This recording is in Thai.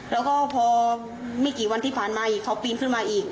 แล้วก็พอไม่กี่วันที่ผ่านมาอีกเขาปีนขึ้นมาอีก